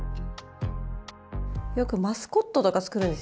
よくマスコットとか作るんですよ。